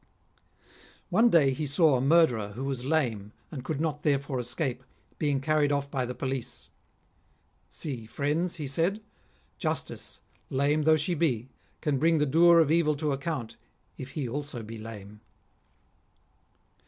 One day he saw a murderer, who was lame, and could not therefore escape, being carried off by the police. " See, friends," he said, " Justice, lame though she be, can bring the doer of evil to account, if he also be lame."